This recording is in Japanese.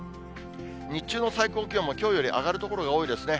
日中の最高気温もきょうより上がる所が多いですね。